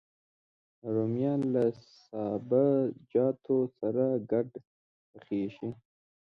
رومیان له سابهجاتو سره ګډ پخېږي